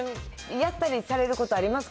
やったりされることありますか？